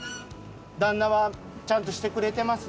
旦那はちゃんとしてくれてます？